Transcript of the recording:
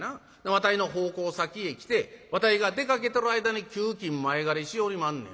わたいの奉公先へ来てわたいが出かけとる間に給金前借りしよりまんねん。